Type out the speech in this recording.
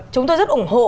chúng tôi rất ủng hộ